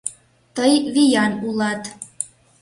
Тый виян улат.